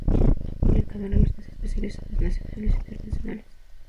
Ha publicado en revistas especializadas nacionales e internacionales.